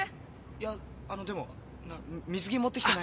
いやあのでもなっ水着持ってきてないし。